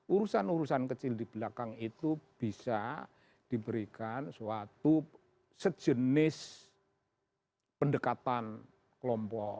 urusan urusan kecil di belakang itu bisa diberikan suatu sejenis pendekatan kelompok